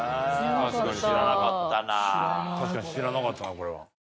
確かに知らなかったなこれは。